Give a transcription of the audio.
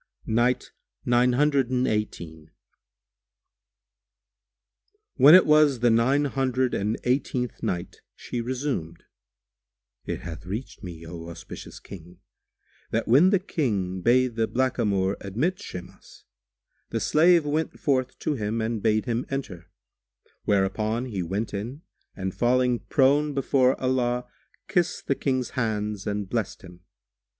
When it was the Nine Hundred and Eighteenth Night, She resumed, It hath reached me, O auspicious King, that when the King bade the blackamoor admit Shimas, the slave went forth to him and bade him enter; whereupon he went in and falling prone before Allah, kissed the King's hands and blessed him.